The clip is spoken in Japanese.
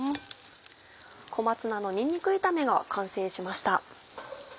小松菜のにんにく炒めが完成しました。